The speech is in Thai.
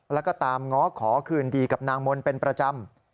แล้วก็ตามง้อขอคืนดีกับนางมนต์เป็นประจำ